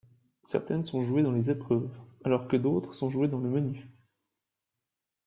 Certaines sont jouées dans les épreuves, alors que d'autres sont jouées dans le menu.